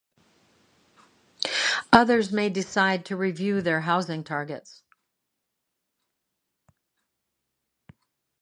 Others may decide to review their housing targets.